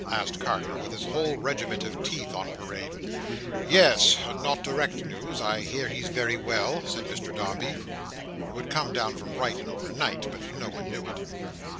asked Carker, with his whole regiment of teeth on parade. "Yes—not direct news—I hear he's very well," said Mr Dombey. Who had come from Brighton over night. But no one knew It.